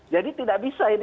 jadi tidak bisa ini